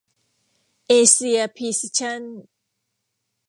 เอเซีย พรีซิชั่น